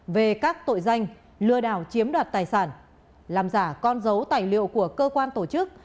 về các tội danh lừa đảo chiếm đoạt tài sản làm giả con dấu tài liệu của cơ quan tổ chức